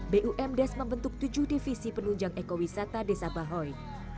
bum desa membentuk tujuh divisi penunjang ekowisata desa bahoy